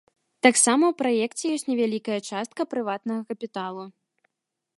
Таксама ў праекце ёсць невялікая частка прыватнага капіталу.